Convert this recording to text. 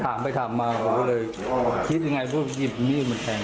แล้วให้ฟังนึกไหมนะตอนนี้